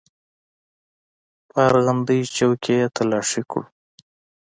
په ارغندې چوک کښې يې تلاشي کړو.